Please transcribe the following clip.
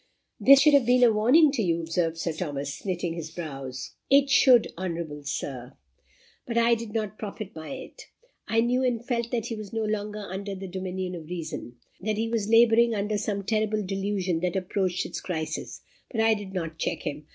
"This should have been a warning to you," observed Sir Thomas, knitting his brows. "It should, honourable Sir. But I did not profit by it. I knew and felt that he was no longer under the dominion of reason that he was labouring under some terrible delusion that approached its crisis; but I did not check him.